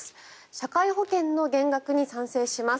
社会保険の減額に賛成します